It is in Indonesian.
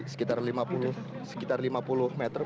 sekitar lima puluh meter